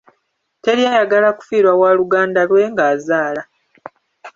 Teri ayagala kufiirwa waaluganda lwe ng'azaala.